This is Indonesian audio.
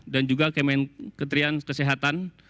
dan juga kementerian kesehatan